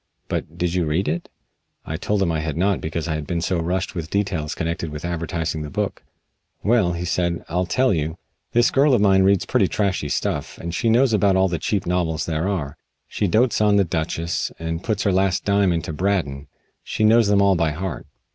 "But did you read it?" I told him I had not because I had been so rushed with details connected with advertising the book. "Well," he said, "I'll tell you. This girl of mine reads pretty trashy stuff, and she knows about all the cheap novels there are. She dotes on 'The Duchess,' and puts her last dime into Braddon. She knows them all by heart.